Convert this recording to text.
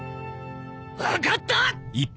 分かった！